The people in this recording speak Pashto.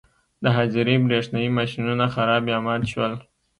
د حاضرۍ برېښنايي ماشینونه خراب یا مات شول.